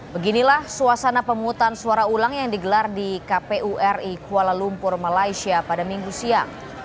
beginilah suasana pemungutan suara ulang yang digelar di kpu ri kuala lumpur malaysia pada minggu siang